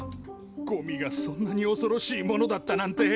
ゴミがそんなにおそろしいものだったなんて。